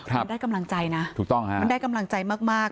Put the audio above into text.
มันได้กำลังใจนะมันได้กำลังใจมาก